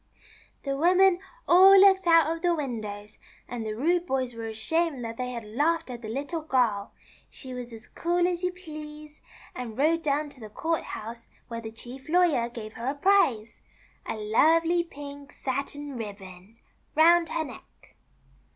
The women all looked out of the windows, and the rude boys w^ere ashamed that they had laughed at the Little Girl. She was as cool as you please, and rode down to the court house wRere the Chief Lawyer gave her the prize — a lovely pink satin ribbon — round her neck.